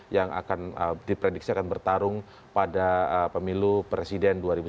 yang akan diprediksi akan bertarung pada pemilu presiden dua ribu sembilan belas